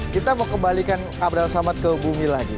kita mau kembalikan abraham samad ke bumi lagi